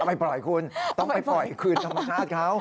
ไม่ปล่อยคุณต้องไปปล่อยคืนธรรมชาติเขา